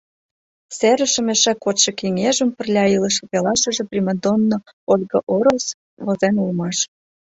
Серышым эше кодшо кеҥежым пырля илыше пелашыже примадонно Ольга Орос возен улмаш.